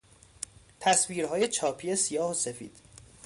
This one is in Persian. تصویرهای چاپی سیاه و سفید